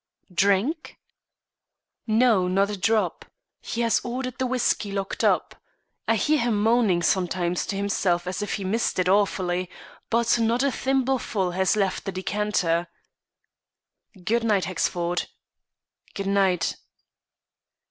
"Drink?" "No, not a drop. He has ordered the whiskey locked up. I hear him moaning sometimes to himself as if he missed it awfully, but not a thimbleful has left the decanter." "Goodnight, Hexford." "Good night."